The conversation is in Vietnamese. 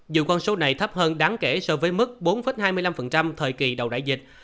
dù con số này thấp hơn đáng kể so với mức bốn hai mươi năm thời kỳ đầu đại dịch